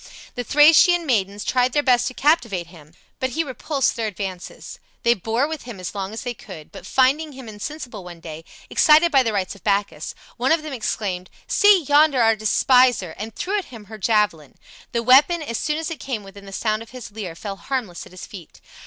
The Thracian maidens tried their best to captivate him, but he repulsed their advances. They bore with him as long as they could; but finding him insensible one day, excited by the rites of Bacchus, one of them exclaimed, "See yonder our despiser!" and threw at him her javelin. The weapon, as soon as it came within the sound of his lyre, fell harmless at his feet.